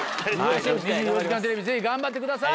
『２４時間テレビ』頑張ってください。